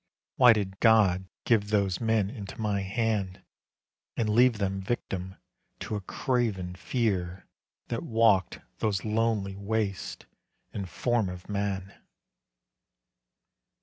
Why did God give those men into my hand, And leave them victim to a craven fear That walked those lonely wastes in form of man?